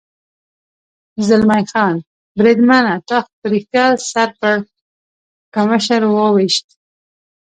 زلمی خان: بریدمنه، تا خو په رښتیا سر پړکمشر و وېشت.